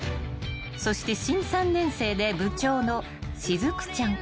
［そして新３年生で部長の雫ちゃん］